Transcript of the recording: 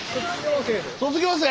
卒業生。